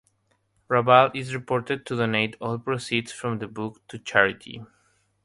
Raval is reported to donate all proceeds from the book to charity.